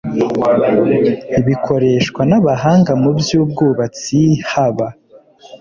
bikoreshwa n abahanga mu by ubwubatsi haba